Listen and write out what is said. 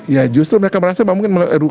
ya justru mereka merasa pak mungkin melalui